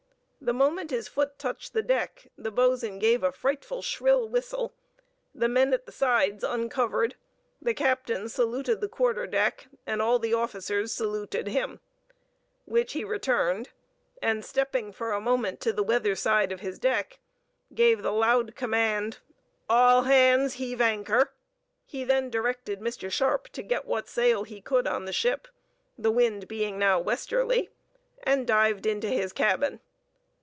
The moment his foot touched the deck, the boatswain gave a frightful shrill whistle; the men at the sides uncovered, the captain saluted the quarterdeck, and all the officers saluted him, which he returned, and stepping for a moment to the weather side of his deck, gave the loud command, "All hands heave anchor." He then directed Mr. Sharpe to get what sail he could on the ship, the wind being now westerly, and dived into his cabin.